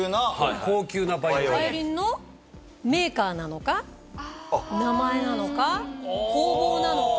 バイオリンのメーカーなのか名前なのか工房なのか。